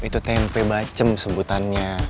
itu tempe bacem sebutannya